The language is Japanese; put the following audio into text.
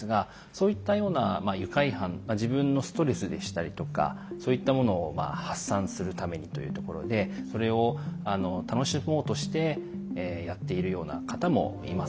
そういったようなまあ愉快犯自分のストレスでしたりとかそういったものをまあ発散するためにというところでそれをあの楽しもうとしてやっているような方もいます。